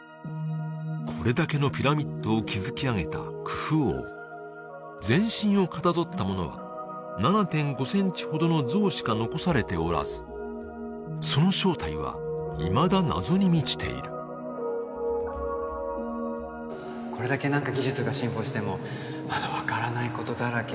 これだけのピラミッドを築き上げたクフ王全身をかたどったものは７．５センチほどの像しか残されておらずその正体はいまだ謎に満ちているこれだけ技術が進歩してもまだ分からないことだらけ